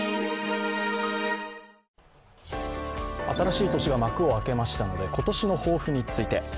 新しい年が幕を開けましたので今年の抱負について。